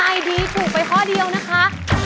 ไอดีถูกไปข้อเดียวนะคะ